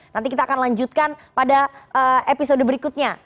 nanti kita akan lanjutkan pada episode berikutnya